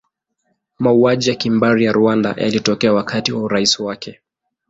Mauaji ya kimbari ya Rwanda yalitokea wakati wa urais wake.